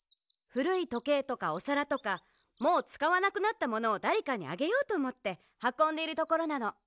ふるいとけいとかおさらとかもうつかわなくなったものをだれかにあげようとおもってはこんでいるところなの。